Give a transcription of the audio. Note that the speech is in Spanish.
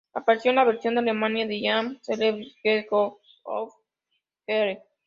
Apareció en la versión alemana de "I'm a Celebrity... Get Me Out of Here!".